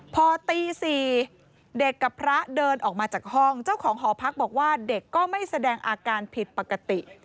พอตี๔เด็กกับพระเดินออกมาจากห้องเจ้าของหอพักบอกว่าเด็กก็ไม่แสดงอาการผิดปกติ